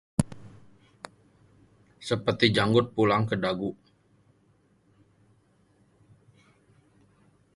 Seperti janggut pulang ke dagu